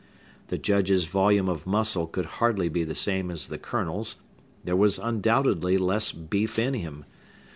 The Judge's volume of muscle could hardly be the same as the Colonel's; there was undoubtedly less beef in him.